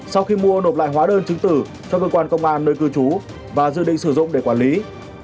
sau khi mua nộp lại hóa đơn chứng tử cho cơ quan công an nơi cư trú và dự định sử dụng để quản lý